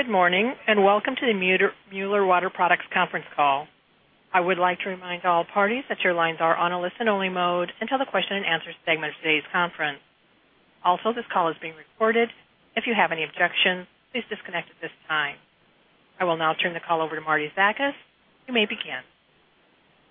Good morning, and welcome to the Mueller Water Products conference call. I would like to remind all parties that your lines are on a listen-only mode until the question-and-answer segment of today's conference. Also, this call is being recorded. If you have any objections, please disconnect at this time. I will now turn the call over to Marti Zakas. You may begin.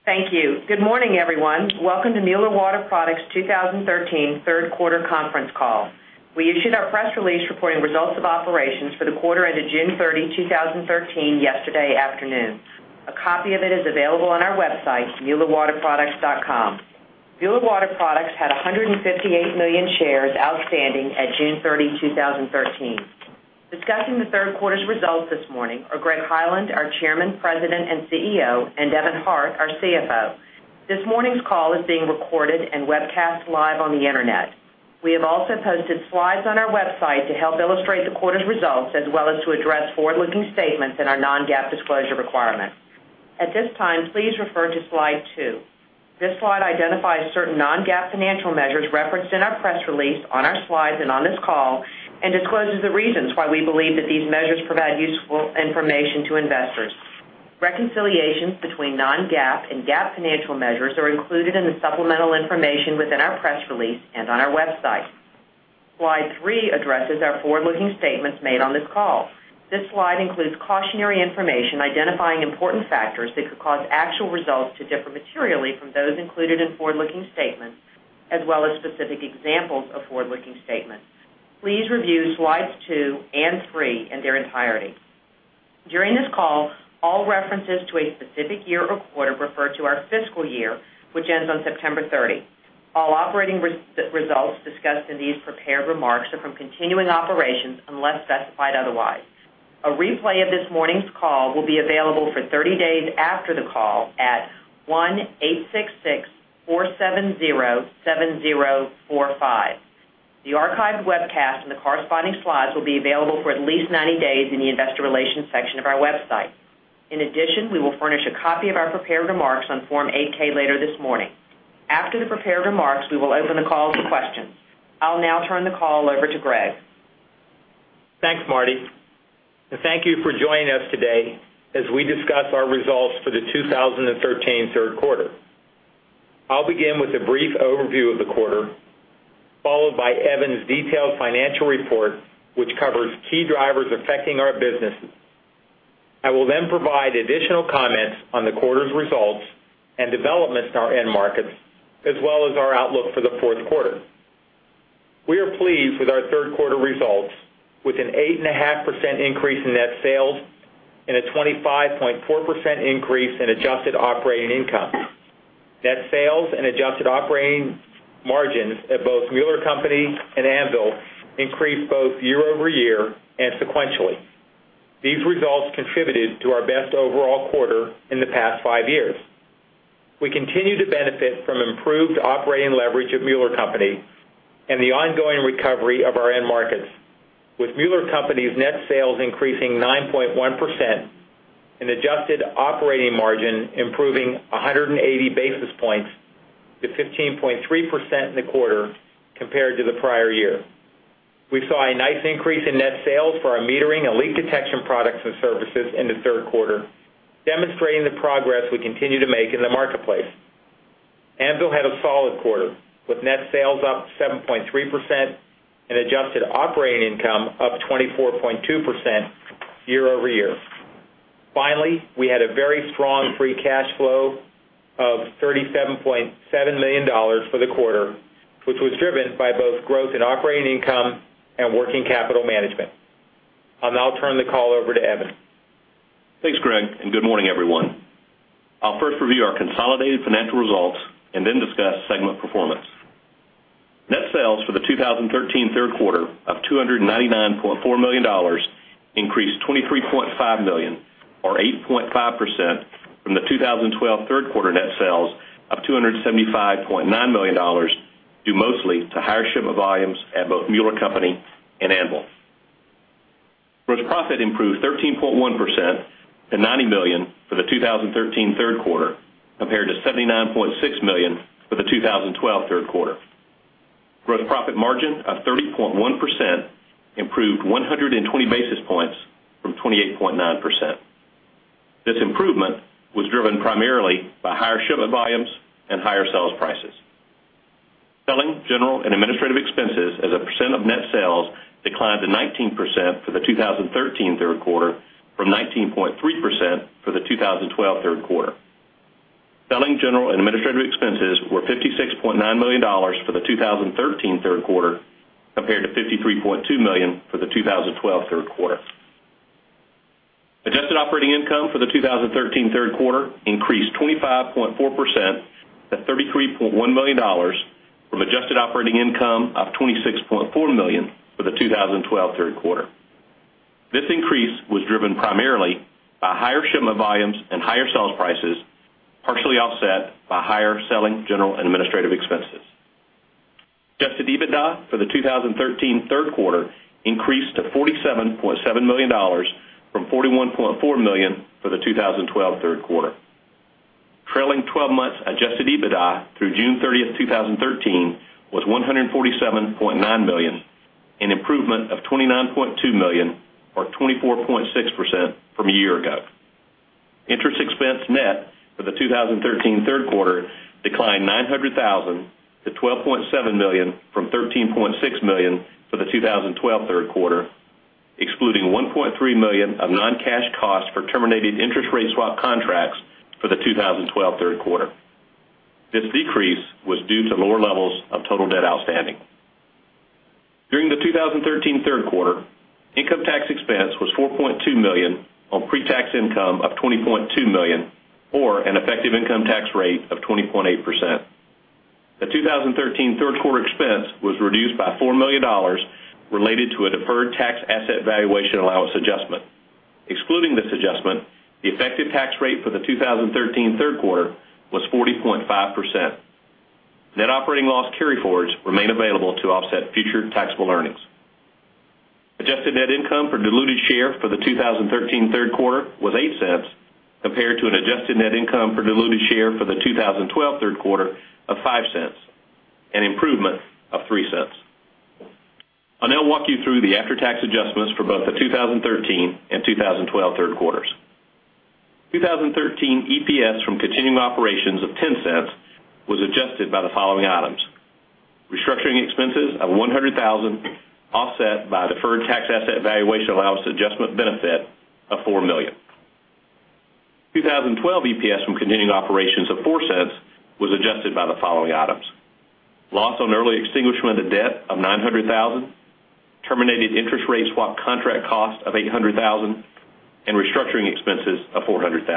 Thank you. Good morning, everyone. Welcome to Mueller Water Products' 2013 third quarter conference call. We issued our press release reporting results of operations for the quarter ended June 30, 2013, yesterday afternoon. A copy of it is available on our website, muellerwaterproducts.com. Mueller Water Products had 158 million shares outstanding at June 30, 2013. Discussing the third quarter's results this morning are Greg Hyland, our chairman, president, and CEO, and Evan Hart, our CFO. This morning's call is being recorded and webcast live on the internet. We have also posted slides on our website to help illustrate the quarter's results, as well as to address forward-looking statements and our non-GAAP disclosure requirements. At this time, please refer to slide two. This slide identifies certain non-GAAP financial measures referenced in our press release, on our slides, and on this call, and discloses the reasons why we believe that these measures provide useful information to investors. Reconciliations between non-GAAP and GAAP financial measures are included in the supplemental information within our press release and on our website. Slide three addresses our forward-looking statements made on this call. This slide includes cautionary information identifying important factors that could cause actual results to differ materially from those included in forward-looking statements, as well as specific examples of forward-looking statements. Please review slides two and three in their entirety. During this call, all references to a specific year or quarter refer to our fiscal year, which ends on September 30. All operating results discussed in these prepared remarks are from continuing operations unless specified otherwise. A replay of this morning's call will be available for 30 days after the call at 1-866-470-7045. The archived webcast and the corresponding slides will be available for at least 90 days in the investor relations section of our website. In addition, we will furnish a copy of our prepared remarks on Form 8-K later this morning. After the prepared remarks, we will open the call to questions. I'll now turn the call over to Greg. Thanks, Marti. Thank you for joining us today as we discuss our results for the 2013 third quarter. I'll begin with a brief overview of the quarter, followed by Evan's detailed financial report, which covers key drivers affecting our businesses. I will then provide additional comments on the quarter's results and developments in our end markets, as well as our outlook for the fourth quarter. We are pleased with our third quarter results, with an 8.5% increase in net sales and a 25.4% increase in adjusted operating income. Net sales and adjusted operating margins at both Mueller Co. and Anvil increased both year-over-year and sequentially. These results contributed to our best overall quarter in the past five years. We continue to benefit from improved operating leverage at Mueller Co. and the ongoing recovery of our end markets, with Mueller Co.'s net sales increasing 9.1% and adjusted operating margin improving 180 basis points to 15.3% in the quarter compared to the prior year. We saw a nice increase in net sales for our metering and leak detection products and services in the third quarter, demonstrating the progress we continue to make in the marketplace. Anvil had a solid quarter, with net sales up 7.3% and adjusted operating income up 24.2% year-over-year. Finally, we had a very strong free cash flow of $37.7 million for the quarter, which was driven by both growth in operating income and working capital management. I'll now turn the call over to Evan. Thanks, Greg. Good morning, everyone. I'll first review our consolidated financial results and then discuss segment performance. Net sales for the 2013 third quarter of $299.4 million increased $23.5 million, or 8.5%, from the 2012 third quarter net sales of $275.9 million, due mostly to higher shipment volumes at both Mueller Co. and Anvil. Gross profit improved 13.1% to $90 million for the 2013 third quarter, compared to $79.6 million for the 2012 third quarter. Gross profit margin of 30.1% improved 120 basis points from 28.9%. This improvement was driven primarily by higher shipment volumes and higher sales prices. Selling, general, and administrative expenses as a percent of net sales declined to 19% for the 2013 third quarter from 19.3% for the 2012 third quarter. Selling, general, and administrative expenses were $56.9 million for the 2013 third quarter, compared to $53.2 million for the 2012 third quarter. Adjusted operating income for the 2013 third quarter increased 25.4% to $33.1 million from adjusted operating income of $26.4 million for the 2012 third quarter. This increase was driven primarily by higher shipment volumes and higher sales prices, partially offset by higher selling, general, and administrative expenses. Adjusted EBITDA for the 2013 third quarter increased to $47.7 million from $41.4 million for the 2012 third quarter. Trailing 12 months adjusted EBITDA through June 30th, 2013 was $147.9 million, an improvement of $29.2 million or 24.6% from a year ago. Interest expense net for the 2013 third quarter declined $900,000 to $12.7 million from $13.6 million for the 2012 third quarter, excluding $1.3 million of non-cash costs for terminated interest rate swap contracts for the 2012 third quarter. This decrease was due to lower levels of total debt outstanding. During the 2013 third quarter, income tax expense was $4.2 million on pre-tax income of $20.2 million, or an effective income tax rate of 20.8%. The 2013 third quarter expense was reduced by $4 million related to a deferred tax asset valuation allowance adjustment. Excluding this adjustment, the effective tax rate for the 2013 third quarter was 40.5%. Net operating loss carryforwards remain available to offset future taxable earnings. Adjusted net income per diluted share for the 2013 third quarter was $0.08 compared to an adjusted net income per diluted share for the 2012 third quarter of $0.05, an improvement of $0.03. I'll now walk you through the after-tax adjustments for both the 2013 and 2012 third quarters. 2013 EPS from continuing operations of $0.10 was adjusted by the following items: restructuring expenses of $100,000 offset by deferred tax asset valuation allowance adjustment benefit of $4 million. 2012 EPS from continuing operations of $0.04 was adjusted by the following items: loss on early extinguishment of debt of $900,000, terminated interest rate swap contract cost of $800,000, and restructuring expenses of $400,000.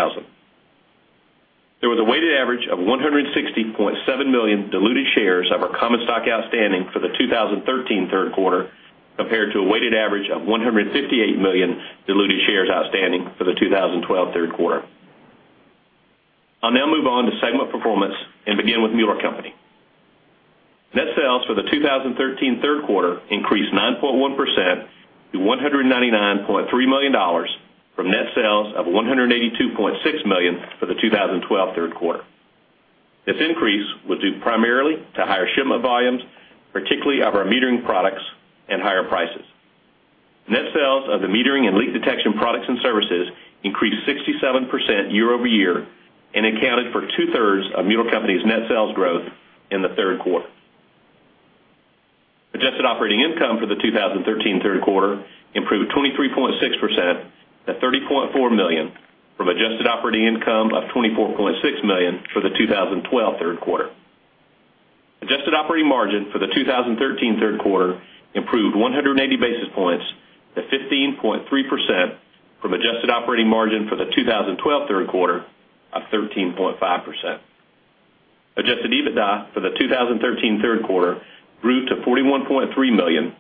There was a weighted average of 160.7 million diluted shares of our common stock outstanding for the 2013 third quarter, compared to a weighted average of 158 million diluted shares outstanding for the 2012 third quarter. I'll now move on to segment performance and begin with Mueller Co. Net sales for the 2013 third quarter increased 9.1% to $199.3 million from net sales of $182.6 million for the 2012 third quarter. This increase was due primarily to higher shipment volumes, particularly of our metering products and higher prices. Net sales of the metering and leak detection products and services increased 67% year-over-year and accounted for two-thirds of Mueller Co.'s net sales growth in the third quarter. Adjusted operating income for the 2013 third quarter improved 23.6% to $30.4 million from adjusted operating income of $24.6 million for the 2012 third quarter. Adjusted operating margin for the 2013 third quarter improved 180 basis points to 15.3% from adjusted operating margin for the 2012 third quarter of 13.5%. Adjusted EBITDA for the 2013 third quarter grew to $41.3 million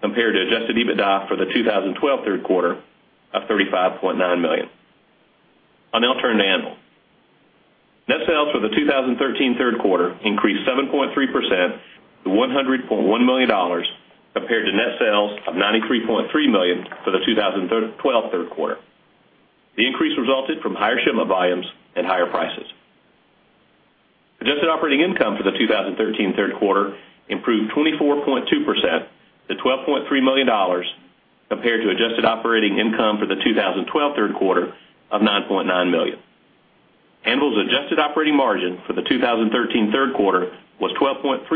compared to adjusted EBITDA for the 2012 third quarter of $35.9 million. I'll now turn to Anvil. Net sales for the 2013 third quarter increased 7.3% to $100.1 million compared to net sales of $93.3 million for the 2012 third quarter. The increase resulted from higher shipment volumes and higher prices. Adjusted operating income for the 2013 third quarter improved 24.2% to $12.3 million compared to adjusted operating income for the 2012 third quarter of $9.9 million. Anvil's adjusted operating margin for the 2013 third quarter was 12.3%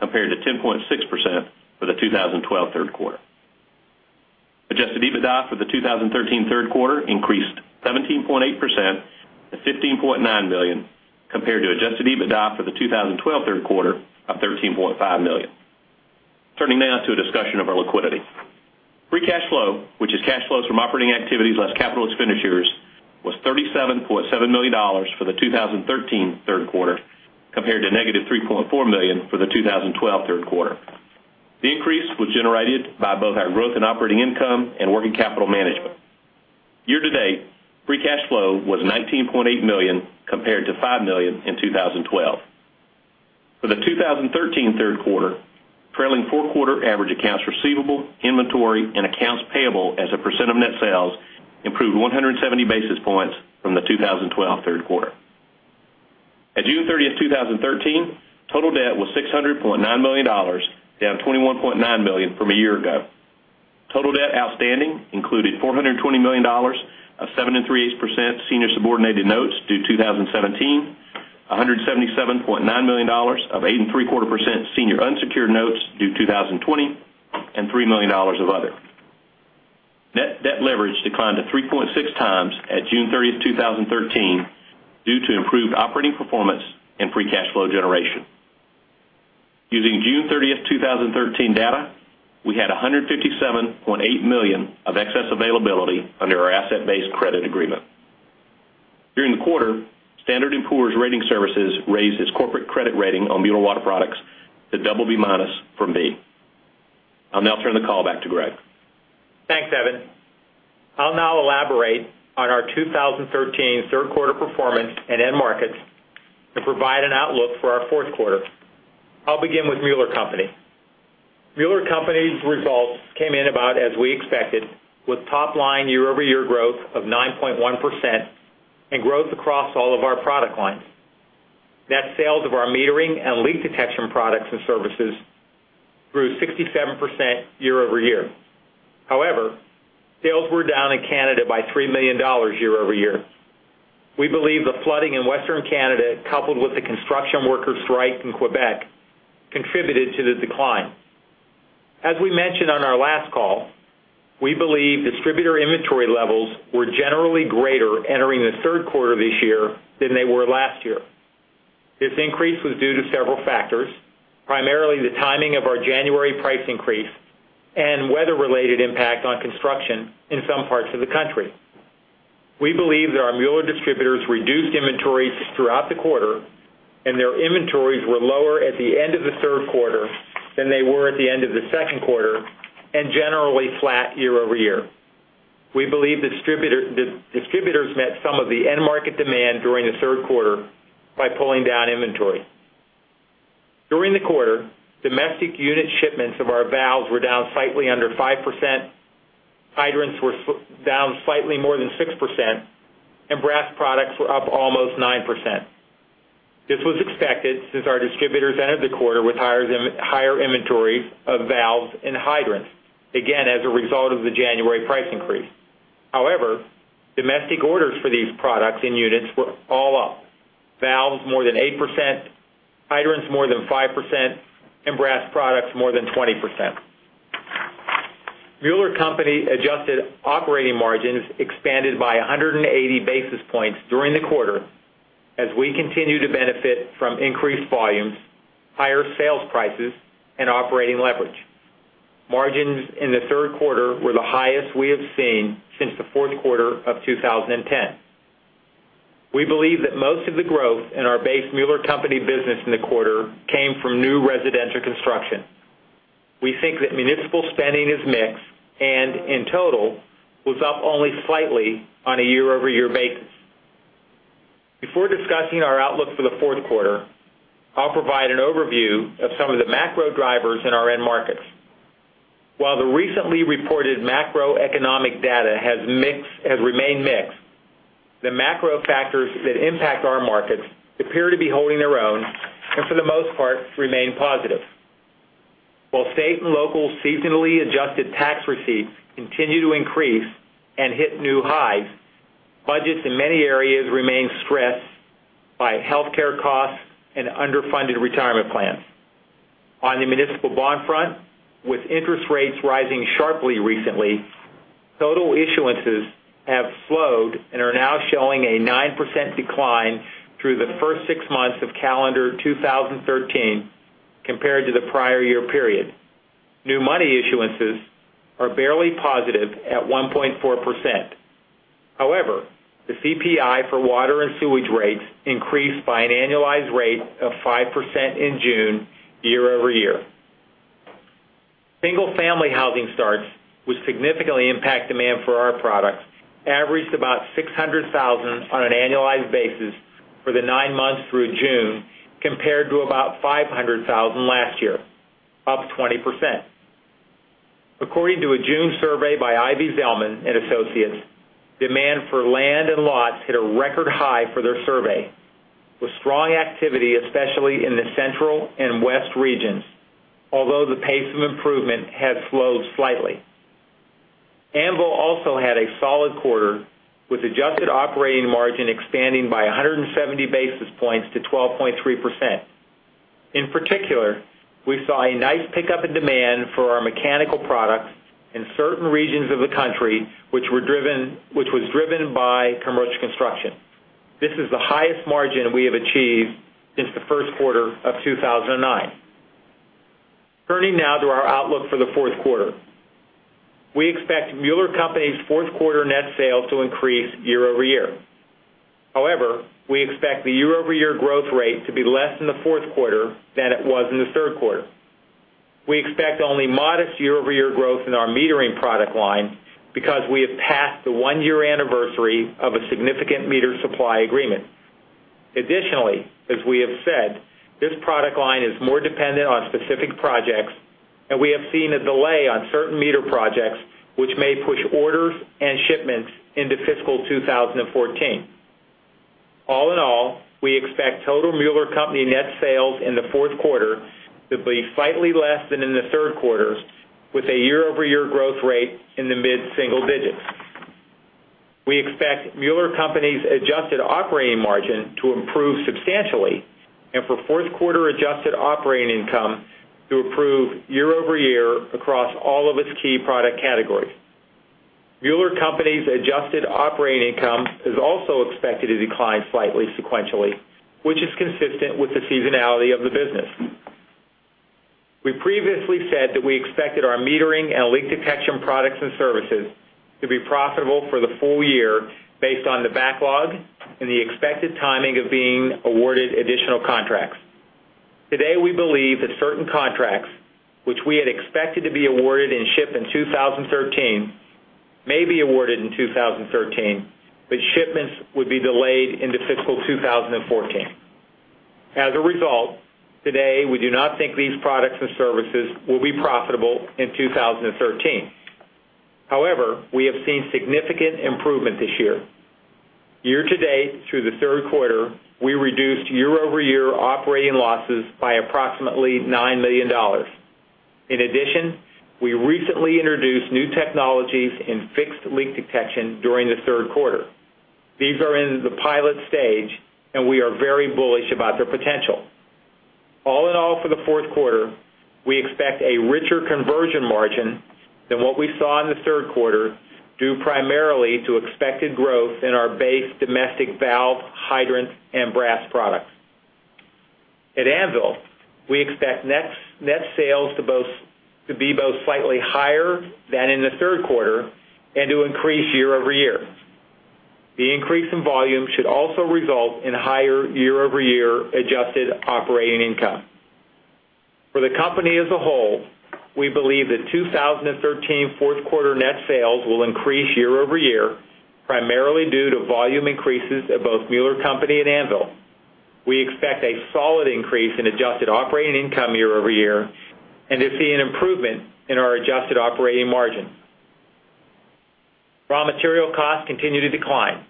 compared to 10.6% for the 2012 third quarter. Adjusted EBITDA for the 2013 third quarter increased 17.8% to $15.9 million compared to adjusted EBITDA for the 2012 third quarter of $13.5 million. Turning now to a discussion of our liquidity. Free cash flow, which is cash flows from operating activities less capital expenditures, was $37.7 million for the 2013 third quarter, compared to negative $3.4 million for the 2012 third quarter. The increase was generated by both our growth in operating income and working capital management. Year to date, free cash flow was $19.8 million, compared to $5 million in 2012. For the 2013 third quarter, trailing four-quarter average accounts receivable, inventory, and accounts payable as a percent of net sales improved 170 basis points from the 2012 third quarter. At June 30th, 2013, total debt was $600.9 million, down $21.9 million from a year ago. Total debt outstanding included $420 million of 7.375% senior subordinated notes due 2017, $177.9 million of 8.75% senior unsecured notes due 2020, and $3 million of other. Net debt leverage declined to 3.6 times at June 30th, 2013, due to improved operating performance and free cash flow generation. Using June 30th, 2013 data, we had $157.8 million of excess availability under our asset-based credit agreement. During the quarter, Standard & Poor's Ratings Services raised its corporate credit rating on Mueller Water Products to BB- from B. I'll now turn the call back to Greg. Thanks, Evan. I'll now elaborate on our 2013 third quarter performance and end markets to provide an outlook for our fourth quarter. I'll begin with Mueller Co. Mueller Co.'s results came in about as we expected, with top line year-over-year growth of 9.1% and growth across all of our product lines. Net sales of our metering and leak detection products and services grew 67% year-over-year. However, sales were down in Canada by $3 million year-over-year. We believe the flooding in Western Canada, coupled with the construction worker strike in Quebec, contributed to the decline. As we mentioned on our last call, we believe distributor inventory levels were generally greater entering the third quarter of this year than they were last year. This increase was due to several factors, primarily the timing of our January price increase and weather-related impact on construction in some parts of the country. We believe that our Mueller distributors reduced inventories throughout the quarter, and their inventories were lower at the end of the third quarter than they were at the end of the second quarter, and generally flat year-over-year. We believe distributors met some of the end market demand during the third quarter by pulling down inventory. During the quarter, domestic unit shipments of our valves were down slightly under 5%, hydrants were down slightly more than 6%, and brass products were up almost 9%. This was expected since our distributors entered the quarter with higher inventory of valves and hydrants, again, as a result of the January price increase. However, domestic orders for these products in units were all up. Valves more than 8%, hydrants more than 5%, and brass products more than 20%. Mueller Co. adjusted operating margins expanded by 180 basis points during the quarter as we continue to benefit from increased volumes, higher sales prices, and operating leverage. Margins in the third quarter were the highest we have seen since the fourth quarter of 2010. We believe that most of the growth in our base Mueller Co. business in the quarter came from new residential construction. We think that municipal spending is mixed and, in total, was up only slightly on a year-over-year basis. Before discussing our outlook for the fourth quarter, I'll provide an overview of some of the macro drivers in our end markets. While the recently reported macroeconomic data has remained mixed, the macro factors that impact our markets appear to be holding their own and, for the most part, remain positive. While state and local seasonally adjusted tax receipts continue to increase and hit new highs, budgets in many areas remain stressed by healthcare costs and underfunded retirement plans. On the municipal bond front, with interest rates rising sharply recently, total issuances have slowed and are now showing a 9% decline through the first six months of calendar 2013 compared to the prior year period. New money issuances are barely positive at 1.4%. However, the CPI for water and sewage rates increased by an annualized rate of 5% in June year-over-year. Single-family housing starts, which significantly impact demand for our products, averaged about 600,000 on an annualized basis for the nine months through June, compared to about 500,000 last year, up 20%. According to a June survey by Ivy Zelman & Associates, demand for land and lots hit a record high for their survey, with strong activity, especially in the central and west regions, although the pace of improvement has slowed slightly. Anvil also had a solid quarter, with adjusted operating margin expanding by 170 basis points to 12.3%. In particular, we saw a nice pickup in demand for our mechanical products in certain regions of the country, which was driven by commercial construction. This is the highest margin we have achieved since the first quarter of 2009. Turning now to our outlook for the fourth quarter. We expect Mueller Co.'s fourth quarter net sales to increase year-over-year. We expect the year-over-year growth rate to be less in the fourth quarter than it was in the third quarter. We expect only modest year-over-year growth in our metering product line because we have passed the one-year anniversary of a significant meter supply agreement. Additionally, as we have said, this product line is more dependent on specific projects, and we have seen a delay on certain meter projects, which may push orders and shipments into fiscal 2014. All in all, we expect total Mueller Co. net sales in the fourth quarter to be slightly less than in the third quarter with a year-over-year growth rate in the mid-single digits. We expect Mueller Co.'s adjusted operating margin to improve substantially and for fourth quarter adjusted operating income to improve year-over-year across all of its key product categories. Mueller Co.'s adjusted operating income is also expected to decline slightly sequentially, which is consistent with the seasonality of the business. We previously said that we expected our metering and leak detection products and services to be profitable for the full year based on the backlog and the expected timing of being awarded additional contracts. Today, we believe that certain contracts, which we had expected to be awarded and shipped in 2013, may be awarded in 2013, but shipments would be delayed into fiscal 2014. As a result, today, we do not think these products and services will be profitable in 2013. We have seen significant improvement this year. Year-to-date, through the third quarter, we reduced year-over-year operating losses by approximately $9 million. In addition, we recently introduced new technologies in fixed leak detection during the third quarter. These are in the pilot stage, and we are very bullish about their potential. All in all, for the fourth quarter, we expect a richer conversion margin than what we saw in the third quarter, due primarily to expected growth in our base domestic valve, hydrant, and brass products. At Anvil, we expect net sales to be both slightly higher than in the third quarter and to increase year-over-year. The increase in volume should also result in higher year-over-year adjusted operating income. For the company as a whole, we believe that 2013 fourth quarter net sales will increase year-over-year, primarily due to volume increases at both Mueller Co. and Anvil. We expect a solid increase in adjusted operating income year-over-year and to see an improvement in our adjusted operating margin. Raw material costs continue to decline.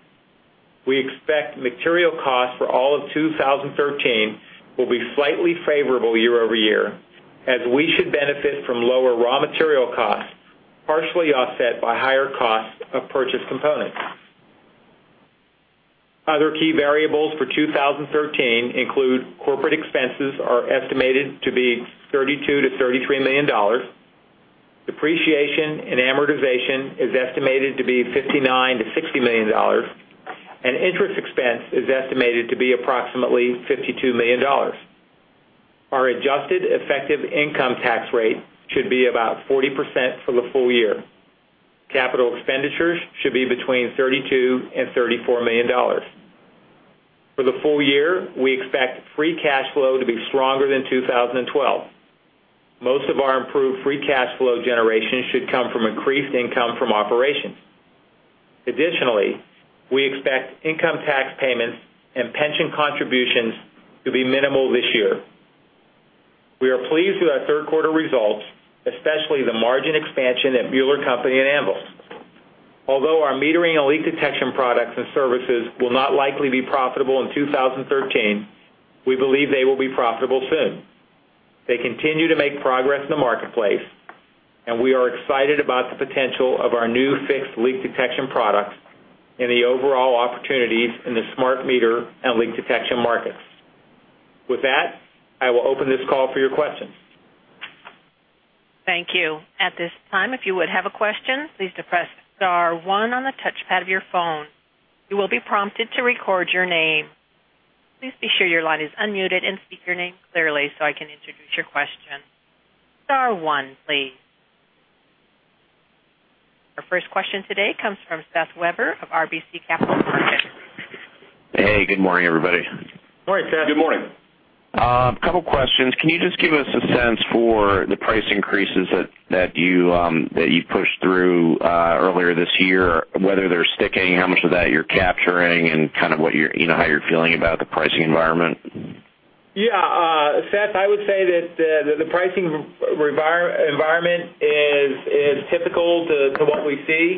We expect material costs for all of 2013 will be slightly favorable year-over-year, as we should benefit from lower raw material costs, partially offset by higher costs of purchased components. Other key variables for 2013 include corporate expenses are estimated to be $32 million-$33 million, depreciation and amortization is estimated to be $59 million-$60 million, and interest expense is estimated to be approximately $52 million. Our adjusted effective income tax rate should be about 40% for the full year. Capital expenditures should be between $32 million and $34 million. For the full year, we expect free cash flow to be stronger than 2012. Most of our improved free cash flow generation should come from increased income from operations. Additionally, we expect income tax payments and pension contributions to be minimal this year. We are pleased with our third quarter results, especially the margin expansion at Mueller Co. and Anvil. Our metering and leak detection products and services will not likely be profitable in 2013, we believe they will be profitable soon. They continue to make progress in the marketplace, and we are excited about the potential of our new fixed leak detection products and the overall opportunities in the smart meter and leak detection markets. With that, I will open this call for your questions. Thank you. At this time, if you would have a question, please press star one on the touchpad of your phone. You will be prompted to record your name. Please be sure your line is unmuted and state your name clearly so I can introduce your question. Star one, please. Our first question today comes from Seth Weber of RBC Capital Markets. Hey, good morning, everybody. Morning, Seth. Good morning. A couple questions. Can you just give us a sense for the price increases that you pushed through earlier this year, whether they're sticking, how much of that you're capturing, and how you're feeling about the pricing environment? Yeah. Seth, I would say that the pricing environment is typical to what we see.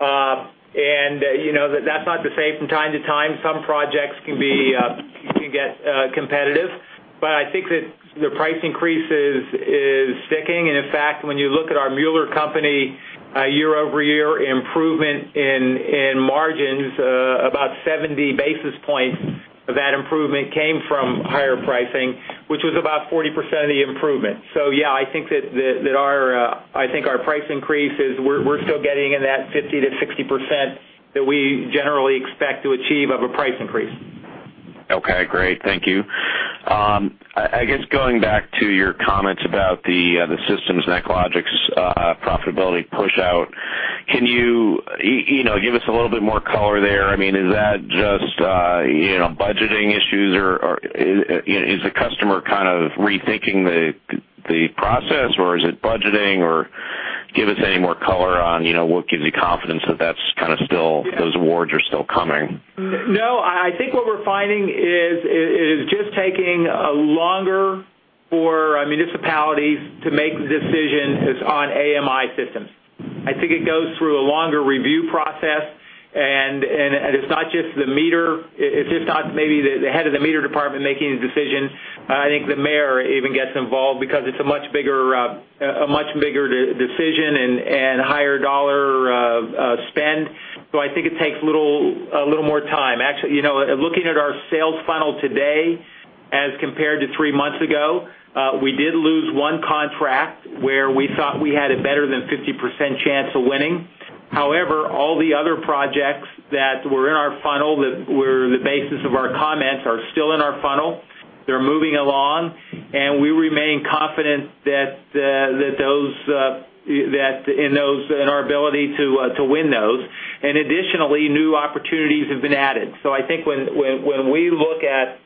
That's not to say from time to time, some projects can get competitive, but I think that the price increase is sticking. In fact, when you look at our Mueller Co. year-over-year improvement in margins, about 70 basis points of that improvement came from higher pricing, which was about 40% of the improvement. Yeah, I think our price increases, we're still getting in that 50%-60% that we generally expect to achieve of a price increase. Okay, great. Thank you. I guess, going back to your comments about the systems NetLogix profitability pushout, can you give us a little bit more color there? Is that just budgeting issues, or is the customer rethinking the process, or is it budgeting? Give us any more color on what gives you confidence that those awards are still coming. No. I think what we're finding is it is just taking longer for municipalities to make decisions on AMI systems. I think it goes through a longer review process, and it's not just the head of the meter department making the decision. I think the mayor even gets involved because it's a much bigger decision and higher dollar spend. I think it takes a little more time. Actually, looking at our sales funnel today as compared to three months ago, we did lose one contract where we thought we had a better than 50% chance of winning. All the other projects that were in our funnel that were the basis of our comments are still in our funnel. They're moving along, and we believe in our ability to win those. Additionally, new opportunities have been added. I think when we look at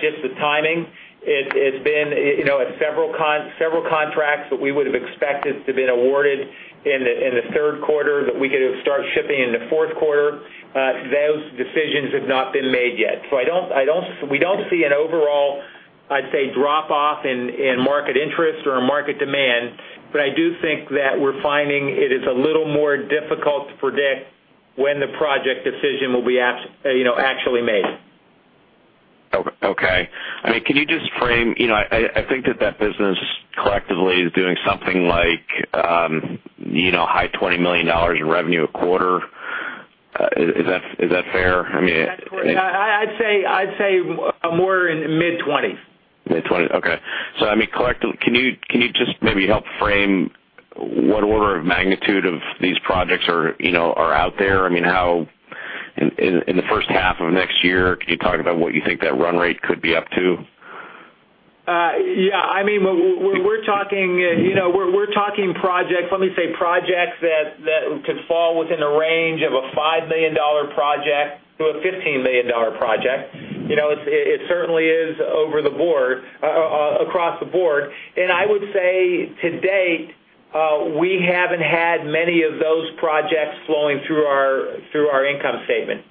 just the timing, it's been several contracts that we would've expected to have been awarded in the third quarter that we could have started shipping in the fourth quarter. Those decisions have not been made yet. We don't see an overall, I'd say, drop-off in market interest or in market demand. I do think that we're finding it is a little more difficult to predict when the project decision will be actually made. Okay. I think that that business collectively is doing something like high $20 million in revenue a quarter. Is that fair? I'd say more in mid-20. Mid-20. Okay. Can you just maybe help frame what order of magnitude of these projects are out there? In the first half of next year, can you talk about what you think that run rate could be up to? Yeah. We're talking projects, let me say, projects that could fall within a range of a $5 million project to a $15 million project. It certainly is across the board. I would say, to date, we haven't had many of those projects flowing through our income statement.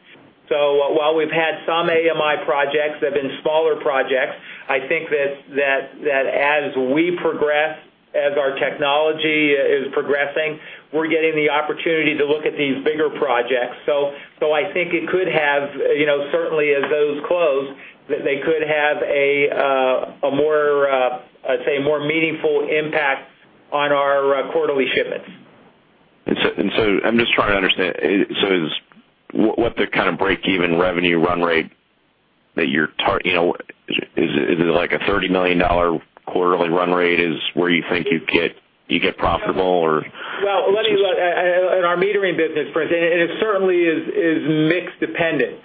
While we've had some AMI projects that have been smaller projects, I think that as we progress, as our technology is progressing, we're getting the opportunity to look at these bigger projects. I think it could have, certainly as those close, that they could have a more, let's say, more meaningful impact on our quarterly shipments. I'm just trying to understand, what the kind of break-even revenue run rate. Is it like a $30 million quarterly run rate is where you think you get profitable or? Well, in our metering business, Brent, it certainly is mix-dependent.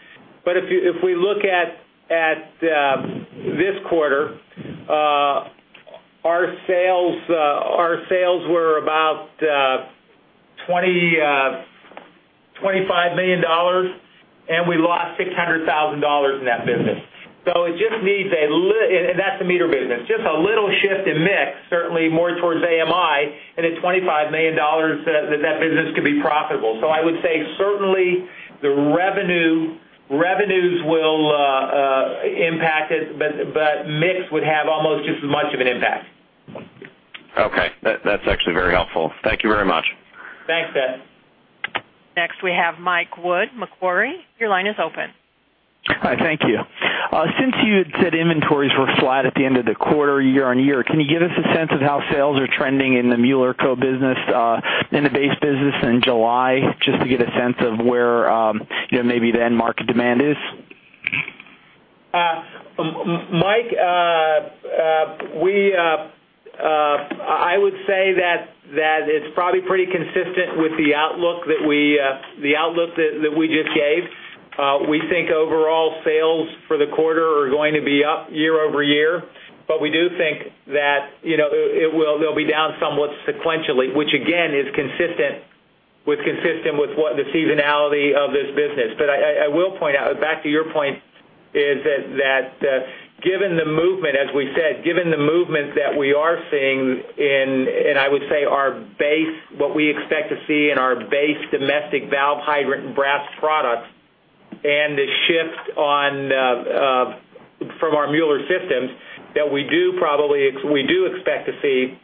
If we look at this quarter, our sales were about $25 million, and we lost $600,000 in that business. That's the meter business. Just a little shift in mix, certainly more towards AMI, and at $25 million, that business could be profitable. I would say certainly the revenues will impact it, but mix would have almost just as much of an impact. Okay. That's actually very helpful. Thank you very much. Thanks, Brent. Next, we have Mike Wood, Macquarie. Your line is open. Hi, thank you. Since you had said inventories were flat at the end of the quarter year-on-year, can you give us a sense of how sales are trending in the Mueller Co. business, in the base business in July, just to get a sense of where maybe the end market demand is? Mike, I would say that it's probably pretty consistent with the outlook that we just gave. We think overall sales for the quarter are going to be up year-over-year. We do think that they'll be down somewhat sequentially, which again, is consistent with the seasonality of this business. I will point out, back to your point, is that given the movement, as we said, given the movement that we are seeing in, and I would say, what we expect to see in our base domestic valve hydrant and brass products, and the shift from our Mueller Systems, that we do expect to see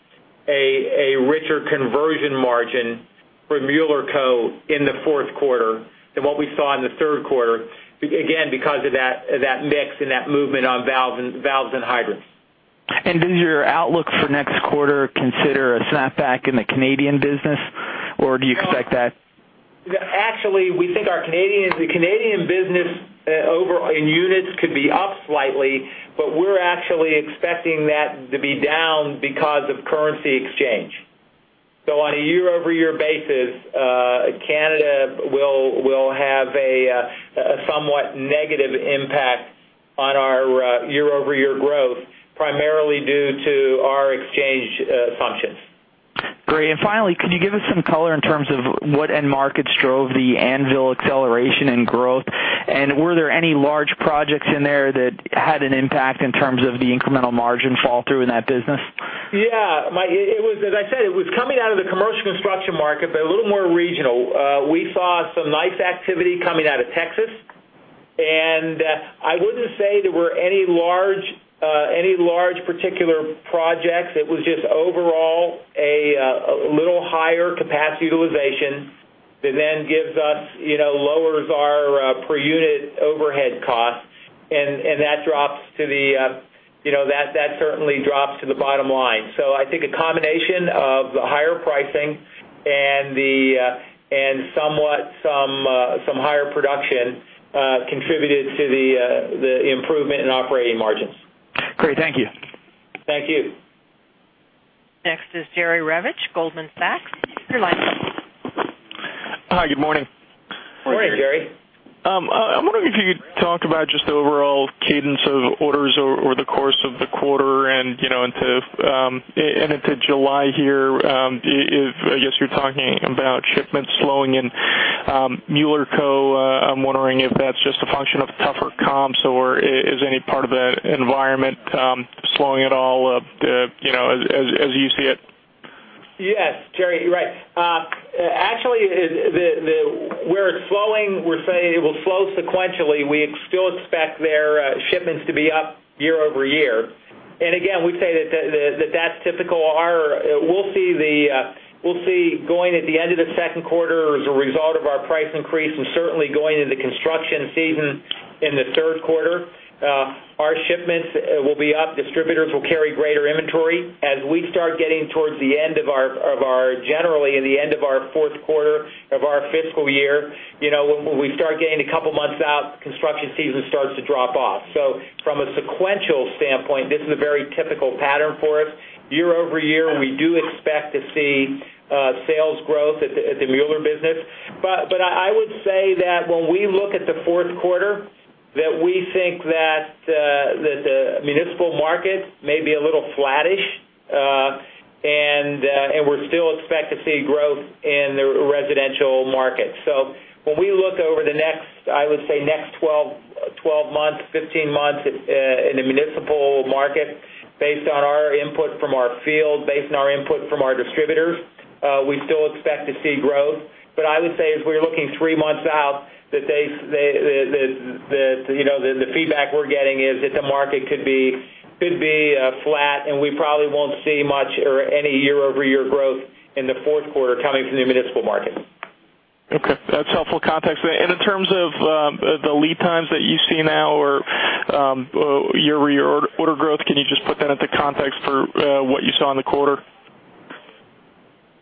a richer conversion margin for Mueller Co. in the fourth quarter than what we saw in the third quarter, again, because of that mix and that movement on valves and hydrants. Does your outlook for next quarter consider a snap back in the Canadian business? Do you expect that? Actually, we think the Canadian business in units could be up slightly, but we're actually expecting that to be down because of currency exchange. On a year-over-year basis, Canada will have a somewhat negative impact on our year-over-year growth, primarily due to our exchange assumptions. Great. Finally, could you give us some color in terms of what end markets drove the Anvil acceleration and growth, and were there any large projects in there that had an impact in terms of the incremental margin fall through in that business? Yeah, Mike, as I said, it was coming out of the commercial construction market, but a little more regional. We saw some nice activity coming out of Texas. I wouldn't say there were any large particular projects. It was just overall a little higher capacity utilization that then lowers our per unit overhead costs, and that certainly drops to the bottom line. I think a combination of the higher pricing and some higher production contributed to the improvement in operating margins. Great. Thank you. Thank you. Next is Jerry Revich, Goldman Sachs. Your line is open Orders over the course of the quarter and into July here, I guess you're talking about shipments slowing in Mueller Co. I'm wondering if that's just a function of tougher comps, or is any part of that environment slowing at all up, as you see it? Yes, Jerry, you're right. Actually, where it's slowing, we're saying it will slow sequentially. We still expect their shipments to be up year-over-year. Again, we'd say that that's typical. We'll see going at the end of the second quarter as a result of our price increase and certainly going into construction season in the third quarter, our shipments will be up. Distributors will carry greater inventory. As we start getting towards generally in the end of our fourth quarter of our fiscal year, when we start getting a couple of months out, construction season starts to drop off. From a sequential standpoint, this is a very typical pattern for us. Year-over-year, we do expect to see sales growth at the Mueller business. I would say that when we look at the fourth quarter, that we think that the municipal market may be a little flattish, and we still expect to see growth in the residential market. When we look over the next, I would say next 12 months, 15 months in the municipal market, based on our input from our field, based on our input from our distributors, we still expect to see growth. I would say as we're looking three months out, the feedback we're getting is that the market could be flat, and we probably won't see much or any year-over-year growth in the fourth quarter coming from the municipal market. Okay. That's helpful context. In terms of the lead times that you see now or year-over-year order growth, can you just put that into context for what you saw in the quarter?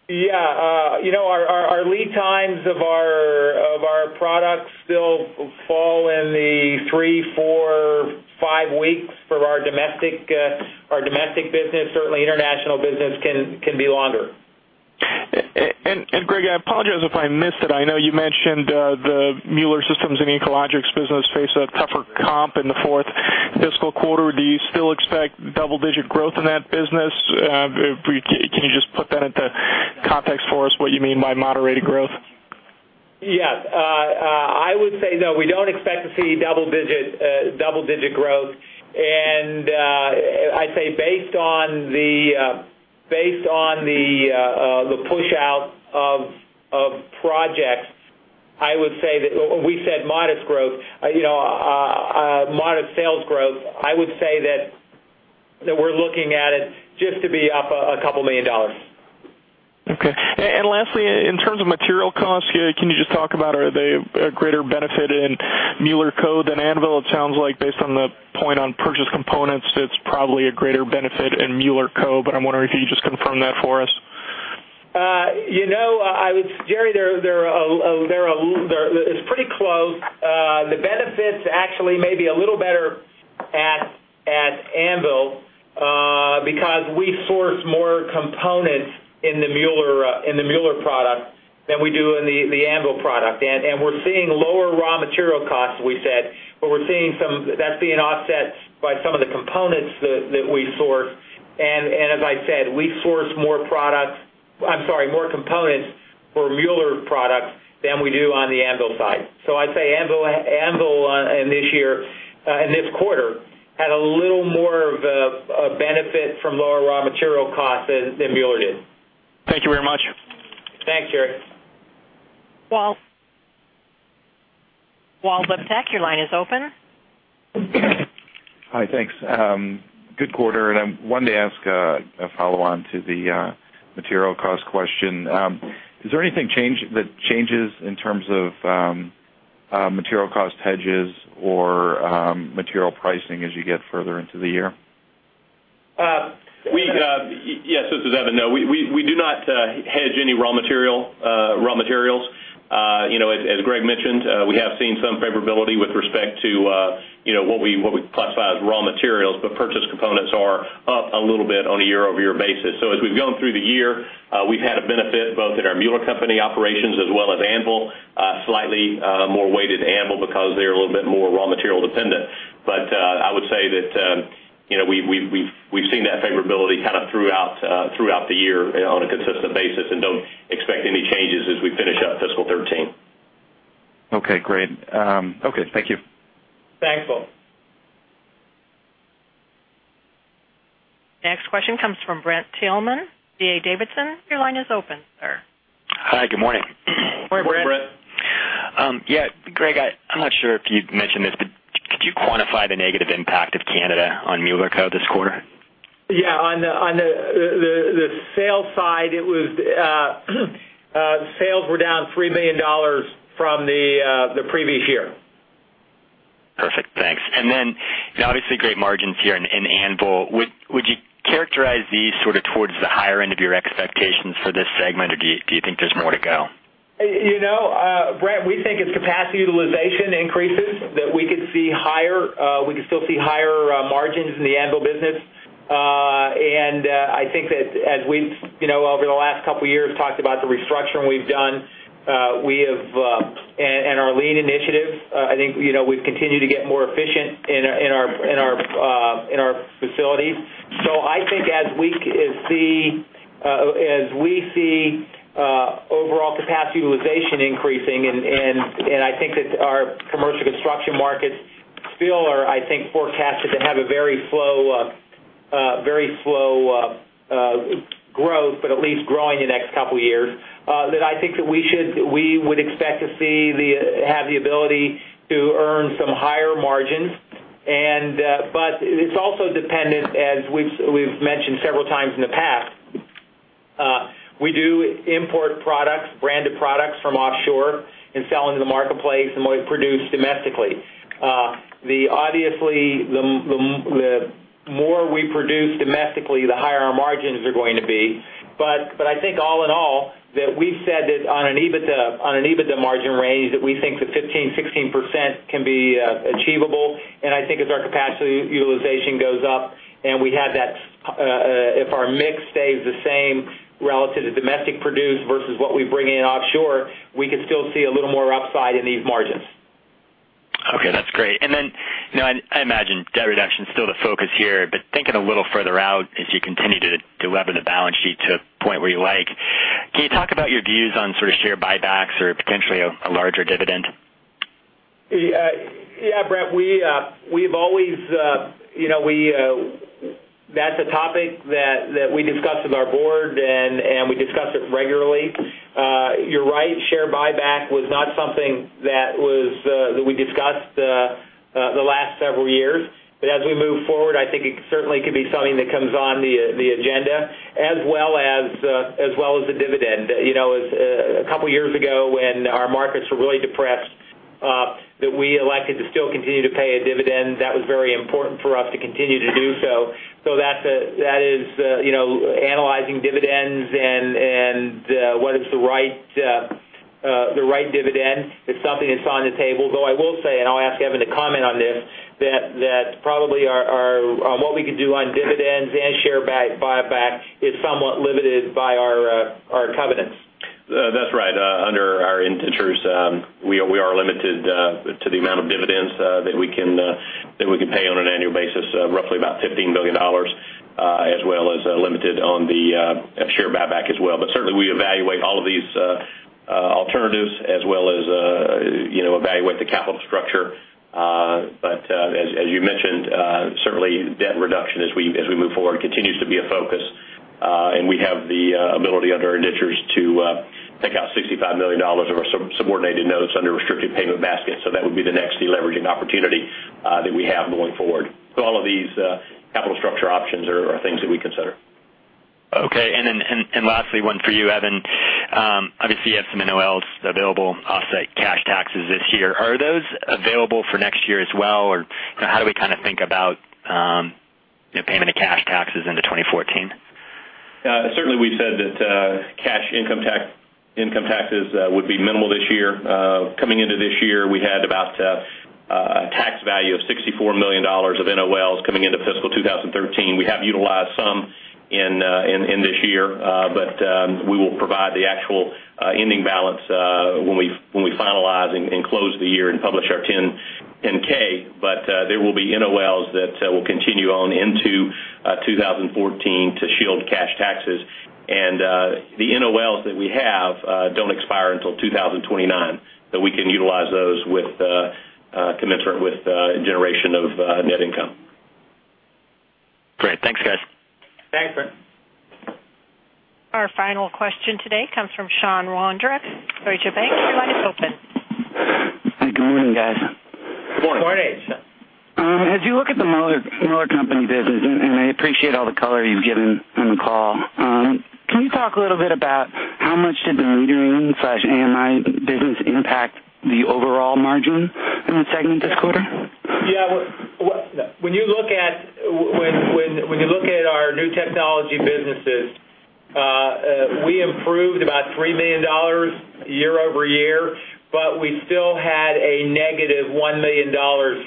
Yeah. Our lead times of our products still fall in the three, four, five weeks for our domestic business. Certainly, international business can be longer. Greg, I apologize if I missed it. I know you mentioned the Mueller Systems and Echologics business face a tougher comp in the fourth fiscal quarter. Do you still expect double-digit growth in that business? Can you just put that into context for us, what you mean by moderated growth? Yes. I would say, no, we don't expect to see double-digit growth. I'd say based on the push-out of projects, we said modest sales growth. I would say that we're looking at it just to be up a couple million dollars. Okay. Lastly, in terms of material costs here, can you just talk about, are they a greater benefit in Mueller Co. than Anvil? It sounds like based on the point on purchase components, it's probably a greater benefit in Mueller Co. I'm wondering if you could just confirm that for us. Jerry, it's pretty close. The benefits actually may be a little better at Anvil because we source more components in the Mueller product than we do in the Anvil product. We're seeing lower raw material costs, we said, that's being offset by some of the components that we source. As I said, we source more components for Mueller products than we do on the Anvil side. I'd say Anvil in this quarter had a little more of a benefit from lower raw material costs than Mueller did. Thank you very much. Thanks, Jerry. Walt. Walter Liptak, your line is open. Hi, thanks. Good quarter. I'm wanting to ask a follow-on to the material cost question. Is there anything that changes in terms of material cost hedges or material pricing as you get further into the year? Yes, this is Evan. No, we do not hedge any raw materials. As Greg mentioned, we have seen some favorability with respect to what we classify as raw materials, but purchase components are up a little bit on a year-over-year basis. As we've gone through the year, we've had a benefit both in our Mueller Co. operations as well as Anvil, slightly more weighted Anvil because they're a little bit more raw material dependent. I would say that we've seen that favorability kind of throughout the year on a consistent basis and don't expect any changes as we finish out fiscal 2013. Okay, great. Okay, thank you. Thanks, Walt. Next question comes from Brent Thielman, D.A. Davidson. Your line is open, sir. Hi, good morning. Morning, Brent. Morning, Brent. Yeah. Greg, I'm not sure if you'd mentioned this, but could you quantify the negative impact of Canada on Mueller Co. this quarter? Yeah. On the sales side, sales were down $3 million from the previous year. Perfect. Thanks. Obviously great margins here in Anvil. Would you characterize these sort of towards the higher end of your expectations for this segment or do you think there's more to go? Brent, we think as capacity utilization increases, that we could still see higher margins in the Anvil business As we've, over the last couple of years, talked about the restructuring we've done, and our lean initiatives, I think we've continued to get more efficient in our facilities. I think as we see overall capacity utilization increasing, and I think that our commercial construction markets still are, I think, forecasted to have a very slow growth, but at least growing the next couple of years, that I think that we would expect to have the ability to earn some higher margins. It's also dependent, as we've mentioned several times in the past, we do import products, branded products from offshore and sell into the marketplace and we produce domestically. Obviously, the more we produce domestically, the higher our margins are going to be. I think all in all, that we've said that on an EBITDA margin range, that we think that 15%-16% can be achievable. I think as our capacity utilization goes up and if our mix stays the same relative to domestic produce versus what we bring in offshore, we could still see a little more upside in these margins. Okay, that's great. I imagine debt reduction is still the focus here, thinking a little further out as you continue to lever the balance sheet to a point where you like, can you talk about your views on sort of share buybacks or potentially a larger dividend? Yeah, Brent, that's a topic that we discuss with our board. We discuss it regularly. You're right, share buyback was not something that we discussed the last several years. As we move forward, I think it certainly could be something that comes on the agenda as well as the dividend. A couple of years ago when our markets were really depressed, we elected to still continue to pay a dividend. That was very important for us to continue to do so. Analyzing dividends and what is the right dividend is something that's on the table. Though I will say, and I'll ask Evan to comment on this, that probably what we could do on dividends and share buyback is somewhat limited by our covenants. That's right. Under our indentures, we are limited to the amount of dividends that we can pay on an annual basis, roughly about $15 million, as well as limited on the share buyback as well. Certainly, we evaluate all of these alternatives as well as evaluate the capital structure. As you mentioned, certainly debt reduction as we move forward continues to be a focus. We have the ability under our indentures to take out $65 million of our subordinated notes under a restricted payment basket. That would be the next de-leveraging opportunity that we have going forward. All of these capital structure options are things that we consider. Okay. Lastly, one for you, Evan. Obviously, you have some NOLs available to offset cash taxes this year. Are those available for next year as well, or how do we kind of think about payment of cash taxes into 2014? Certainly, we said that cash income taxes would be minimal this year. Coming into this year, we had about a tax value of $64 million of NOLs coming into fiscal 2013. We have utilized some in this year. We will provide the actual ending balance when we finalize and close the year and publish our 10-K. There will be NOLs that will continue on into 2014 to shield cash taxes. The NOLs that we have don't expire until 2029. We can utilize those commensurate with generation of net income. Great. Thanks, guys. Thanks, Brent. Our final question today comes from Deane Dray, Truist Bank. Your line is open. Good morning, guys. Good morning. Morning. As you look at the Mueller Co. business, I appreciate all the color you've given on the call, can you talk a little bit about how much did the reading/AMI business impact the overall margin in the segment this quarter? Yeah. When you look at our new technology businesses, we improved about $3 million year-over-year, we still had a negative $1 million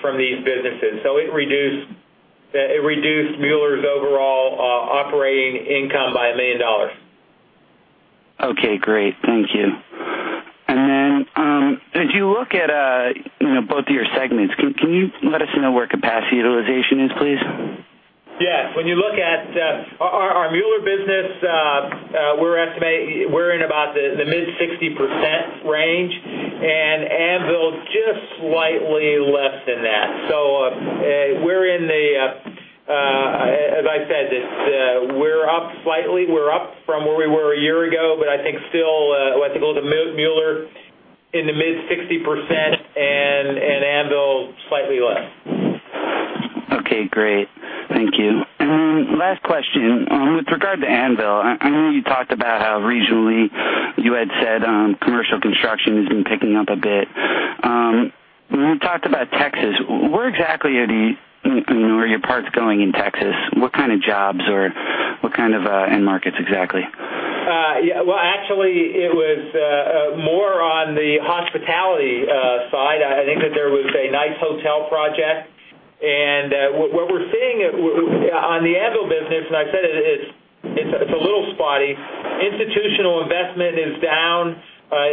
from these businesses. It reduced Mueller's overall operating income by $1 million. Okay, great. Thank you. Then as you look at both of your segments, can you let us know where capacity utilization is, please? When you look at our Mueller business, we're in about the mid-60% range, Anvil is just slightly less than that. As I said, we're up slightly. We're up from where we were a year ago, but I think still, I think Mueller in the mid-60% and Anvil slightly less. Okay, great. Thank you. Then last question. With regard to Anvil, I know you talked about how regionally you had said commercial construction has been picking up a bit. When we talked about Texas, where exactly are your parts going in Texas? What kind of jobs or what kind of end markets exactly? What we're seeing on the Anvil business, and I said it's a little spotty, institutional investment is down,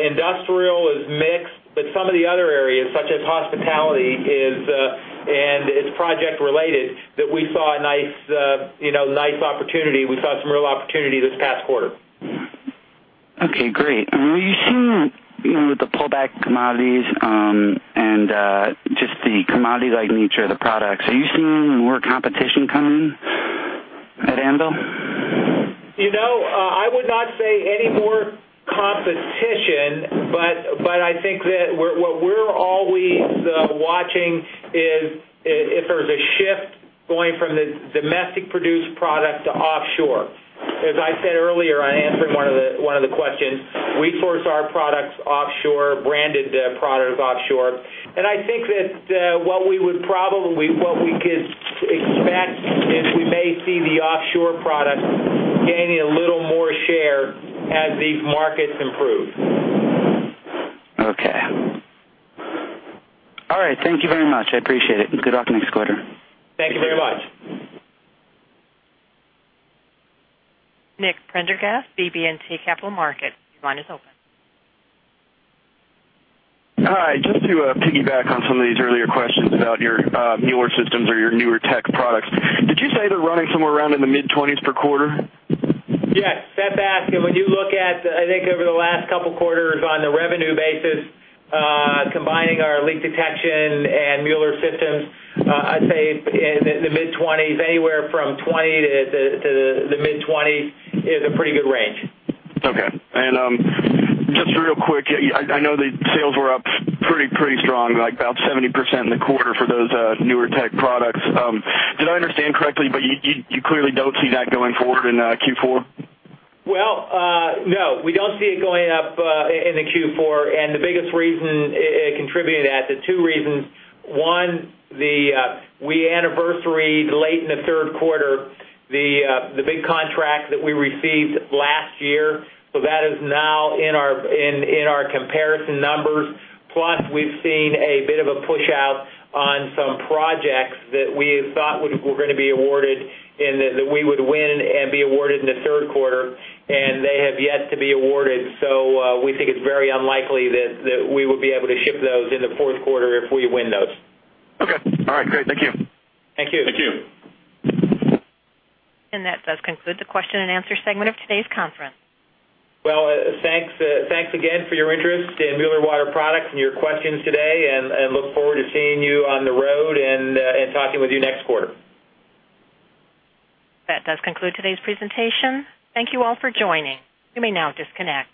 industrial is mixed, some of the other areas, such as hospitality, it's project related, that we saw a nice opportunity. We saw some real opportunity this past quarter. Okay, great. With the pullback commodities and just the commodity-like nature of the products, are you seeing more competition come in at Anvil? I would not say any more competition, but I think that what we're always watching is if there's a shift going from the domestic produced product to offshore. As I said earlier, I answered one of the questions. We source our products offshore, branded products offshore, and I think that what we could expect is we may see the offshore product gaining a little more share as these markets improve. Okay. All right. Thank you very much. I appreciate it. Good luck next quarter. Thank you very much. Kevin Maczka, BB&T Capital Markets, your line is open. Hi, just to piggyback on some of these earlier questions about your Mueller Systems or your newer tech products, did you say they're running somewhere around in the mid-20s per quarter? Yes. That's asking. I think over the last couple of quarters on the revenue basis, combining our leak detection and Mueller Systems, I'd say in the mid-20s, anywhere from 20 to the mid-20 is a pretty good range. Okay. Just real quick, I know the sales were up pretty strong, like about 70% in the quarter for those newer tech products. Did I understand correctly, you clearly don't see that going forward in Q4? Well, no, we don't see it going up in the Q4, the biggest reason contributing to that, the two reasons, one, we anniversary late in the third quarter the big contract that we received last year. That is now in our comparison numbers. Plus, we've seen a bit of a push-out on some projects that we thought were going to be awarded and that we would win and be awarded in the third quarter, they have yet to be awarded. We think it's very unlikely that we would be able to ship those in the fourth quarter if we win those. Okay. All right, great. Thank you. Thank you. Thank you. That does conclude the question and answer segment of today's conference. Well, thanks again for your interest in Mueller Water Products and your questions today, and look forward to seeing you on the road and talking with you next quarter. That does conclude today's presentation. Thank you all for joining. You may now disconnect.